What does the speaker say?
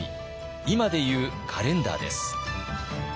今で言うカレンダーです。